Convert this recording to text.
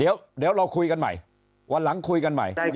เดี๋ยวเราคุยกันใหม่วันหลังคุยกันใหม่